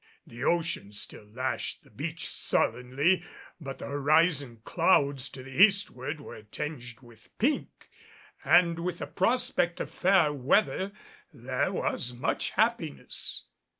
The ocean still lashed the beach sullenly, but the horizon clouds to the eastward were tinged with pink, and with the prospect of fair weather there was much happiness.